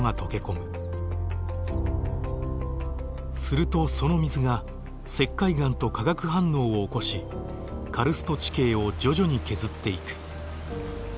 するとその水が石灰岩と化学反応を起こしカルスト地形を徐々に削っていく。